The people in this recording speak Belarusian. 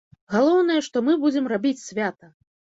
Галоўнае, што мы будзем рабіць свята!